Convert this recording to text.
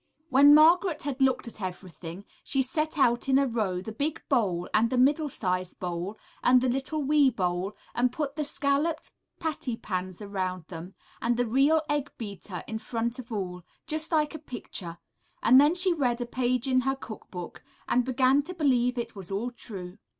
When Margaret had looked at everything, she set out in a row the big bowl and the middle sized bowl and the little wee bowl, and put the scalloped patty pans around them, and the real egg beater in front of all, just like a picture, and then she read a page in her cook book, and began to believe it was all true.